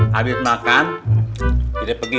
habis makan kita pergi